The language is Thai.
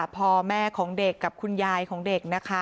พ่อแม่ของเด็กกับคุณยายของเด็กนะคะ